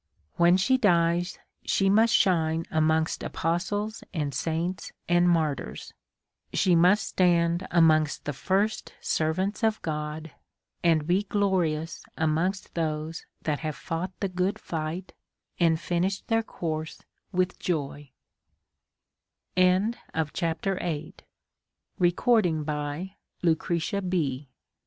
When she dies, she must shine amongst apostles, and saints, and martyrs ; she must stand amongst the first servants of God, and be glorious amongst those that have fought the good fight^ and finished their course with jo